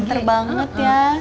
pinter banget ya